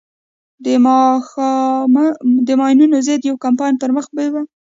د ماينونو ضد يو کمپاين پر مخ بېوه.